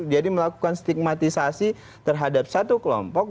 melakukan stigmatisasi terhadap satu kelompok